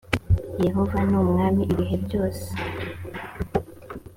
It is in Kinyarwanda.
yehova numwami ibihebyose.